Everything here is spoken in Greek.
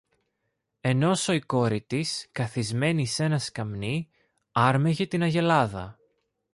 ενόσω η κόρη της, καθισμένη σ' ένα σκαμνί, άρμεγε την αγελάδα.